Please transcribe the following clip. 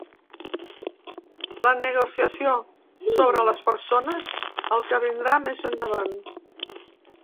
La negociació sobre les persones –el qui– vindrà més endavant.